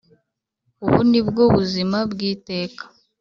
Ubu ni bwo buzima bw iteka